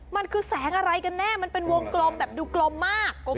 มันคือแสงอะไรกันแน่มันเป็นวงกลมแบบดูกลมมาก